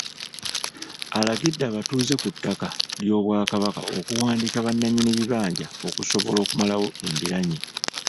Alagidde abatuuze ku ttaka ly'Obwakabaka okuwandiika bannanyini bibanja okusobola okumalawo embiranye.